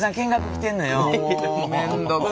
もう面倒くさい。